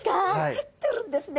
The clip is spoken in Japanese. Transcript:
入ってるんですね。